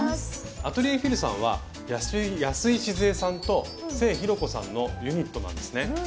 アトリエＦｉｌさんは安井しづえさんと清弘子さんのユニットなんですね。